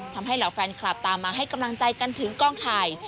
เหล่าแฟนคลับตามมาให้กำลังใจกันถึงกล้องถ่าย